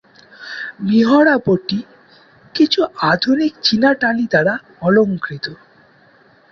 মিহরাবটি কিছু আধুনিক চীনা টালি দ্বারা অলংকৃত।